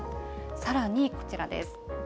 さらにこちらです。